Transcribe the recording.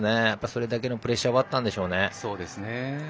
それだけのプレッシャーがあったんでしょうね。